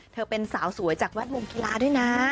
เธอเป็นสาวสวยจากแวดวงกีฬาด้วยนะ